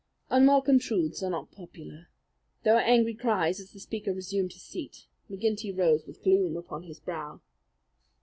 Unwelcome truths are not popular. There were angry cries as the speaker resumed his seat. McGinty rose with gloom upon his brow.